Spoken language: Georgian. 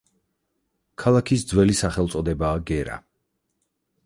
ქალაქის ძველი სახელწოდებაა „გერა“.